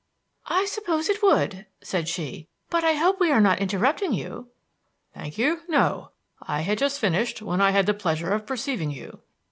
"I suppose it would," said she, "but I hope we are not interrupting you." "Thank you, no. I had just finished when I had the pleasure of perceiving you."